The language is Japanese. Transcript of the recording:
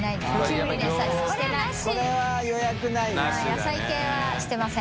野菜系はしてません。